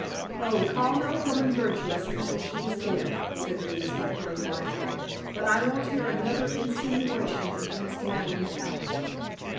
"Oh, call no woman virtuous until she is dead," said Mrs. McLane lightly. "But I won't hear another insinuation against Madeleine Talbot."